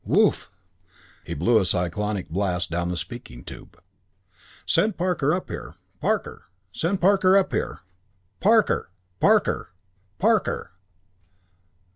Whoof!" He blew a cyclonic blast down the speaking tube. "Send Parker up here. Parker! Send Parker up here! Parker! _Parker! Parker!